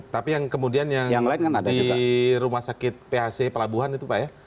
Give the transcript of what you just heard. tapi yang kemudian yang di rumah sakit phc pelabuhan itu pak ya